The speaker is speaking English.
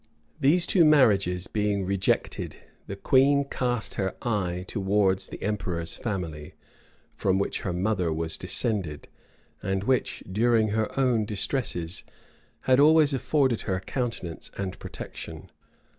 [*] These two marriages being rejected, the queen cast her eye towards the emperor's family, from which her mother was descended, and which, during her own distresses, had always afforded her countenance and protection.